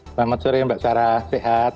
selamat sore mbak sarah sehat